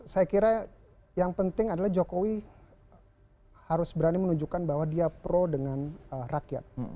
saya kira yang penting adalah jokowi harus berani menunjukkan bahwa dia pro dengan rakyat